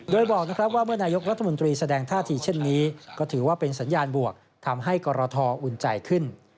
โดยบอกว่าเมื่อนายกรัฐมนตรีแสดงท่าทีเช่นนี้ก็ถือว่าเป็นสัญญาณบวกทำให้กรทอุ่นใจขึ้น